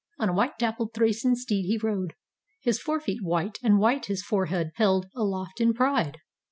On a white dappled Thracian steed he rode, His forefeet white, and white his forehead held Aloft in pride.